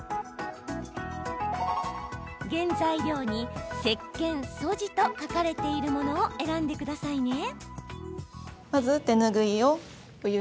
原材料に、せっけん素地と書かれているものを選んでくださいね。